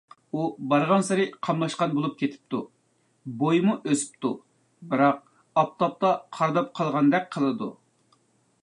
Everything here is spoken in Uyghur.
ئۇ بارغانسېرى قاملاشقان بولۇپ كېتىپتۇ، بويىمۇ ئۆسۈپتۇ، بىراق ئاپتاپتا قارىداپ قالغاندەك قىلىدۇ.